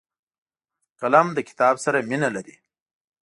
قلم له کتاب سره مینه لري